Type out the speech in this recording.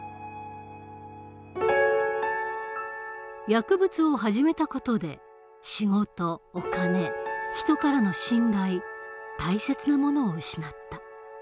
薬物を始めた事で仕事お金人からの信頼大切なものを失った。